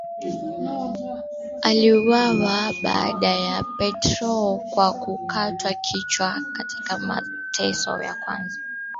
aliuawa baada ya Petro kwa kukatwa kichwa katika mateso ya kwanza